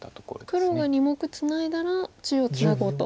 黒が２目ツナいだら中央ツナごうと。